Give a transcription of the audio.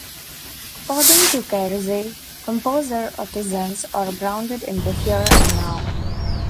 According to Keirsey, Composer Artisans are grounded in the here and now.